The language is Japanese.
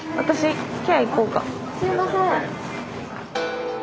すいません。